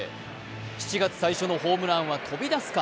７月最初のホームランは飛び出すか？